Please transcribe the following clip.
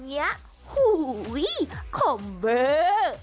เห้ยคมเว้ย